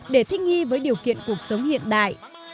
để thích nghi với điều kiện cuộc sống hiện đại